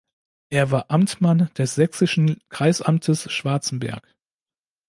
Er war Amtmann des sächsischen Kreisamtes Schwarzenberg.